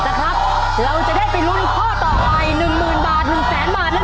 ถูกถูกถูกถูกถูกถูกถูกถูกถูกถูกถูกถูกถูก